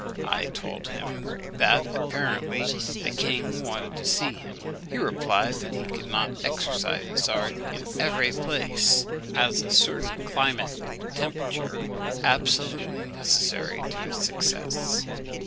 I told him that, apparently, the king wanted to see him. He replied that he could not exercise his art in every place, as a certain climate and temperature were absolutely necessary to his success.